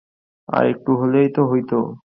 আর একটু হলেই তো হইত।